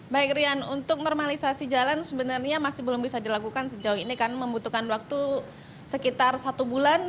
baik rian untuk normalisasi jalan sebenarnya masih belum bisa dilakukan sejauh ini karena membutuhkan waktu sekitar satu bulan